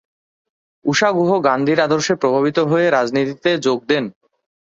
ঊষা গুহ গান্ধীর আদর্শে প্রভাবিত হয়ে রাজনীতিতে যোগ দেন।